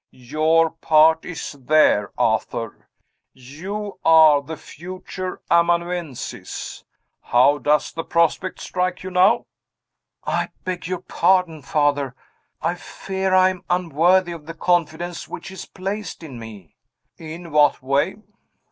Your part is there, Arthur you are the future amanuensis. How does the prospect strike you now?" "I beg your pardon, Father! I fear I am unworthy of the confidence which is placed in me." "In what way?"